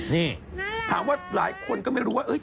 นี่ถามว่าหลายคนก็ไม่รู้ว่า